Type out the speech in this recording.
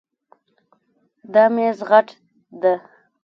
دا میز غټ ده